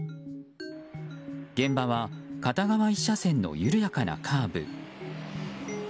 現場は片側１車線の緩やかなカーブ。